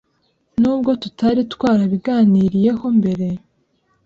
nubwo tutari twarabiganiriyeho mbere